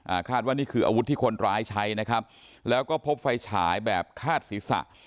คาดว่านี่คืออาวุธที่คนร้ายใช้นะครับแล้วก็พบไฟฉายแบบคาดศีรษะ